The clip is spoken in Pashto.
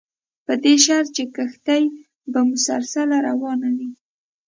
په دې شرط چې کښتۍ به مسلسله روانه وي.